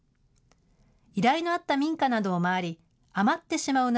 依頼のあった民家などを回り、余ってしまう夏